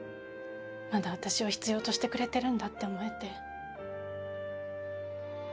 まだ私を必要としてくれてるんだって思えて。